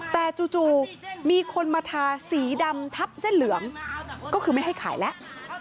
แต่จู่มีคนมาทาสีดำทับเส้นเหลืองก็คือไม่ให้ขายแล้ว